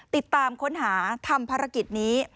ติดตามค้นหาทำภารกิจนี้